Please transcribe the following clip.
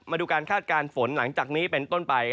มาดูการคาดการณ์ฝนหลังจากนี้เป็นต้นไป